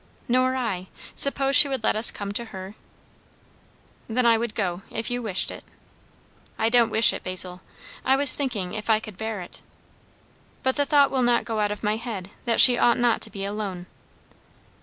"Nor I. Suppose she would let us come to her?" "Then I would go, if you wished it." "I don't wish it, Basil. I was thinking, if I could bear it? But the thought will not out of my head, that she ought not to be alone."